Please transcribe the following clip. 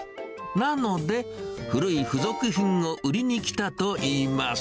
なので、古い付属品を売りに来たといいます。